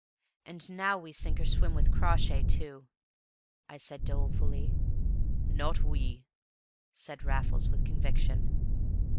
"And now we sink or swim with Crawshay, too," said I dolefully. "Not we!" said Raffles with conviction.